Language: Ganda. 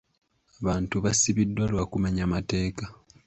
Abantu basibiddwa lwa kumenya mateeka.